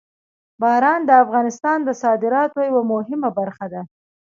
باران د افغانستان د صادراتو یوه مهمه برخه ده.